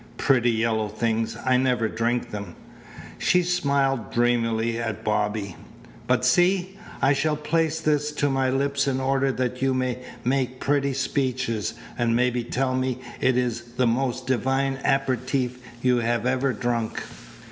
"Pretty yellow things! I never drink them." She smiled dreamily at Bobby. "But see! I shall place this to my lips in order that you may make pretty speeches, and maybe tell me it is the most divine aperitif you have ever drunk."